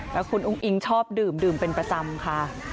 แล้วคุณอุ้งอิงชอบดื่มเป็นประจำค่ะ